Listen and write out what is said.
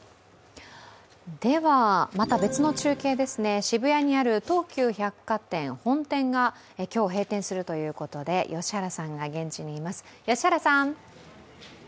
また別の中継ですね、渋谷にある東急百貨店本店が今日、閉店するということで良原さんが現地にいます。